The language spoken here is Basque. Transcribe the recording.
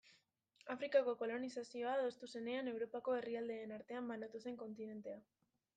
Afrikako kolonizazioa adostu zenean, Europako herrialdeen artean banatu zen kontinentea.